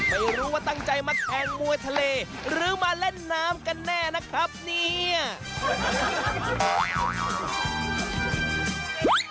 ไม่รู้ว่าตั้งใจมาแทนมวยทะเลหรือมาเล่นน้ำกันแน่นะครับเนี่ย